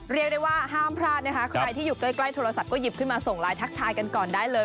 เรียกได้ว่าห้ามพลาดนะคะใครที่อยู่ใกล้โทรศัพท์ก็หยิบขึ้นมาส่งไลน์ทักทายกันก่อนได้เลย